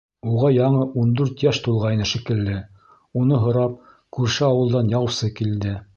Уға яңы ун дүрт йәш тулғайны шикелле, уны һорап, күрше ауылдан яусы килде.